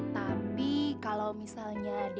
tapi kalau misalnya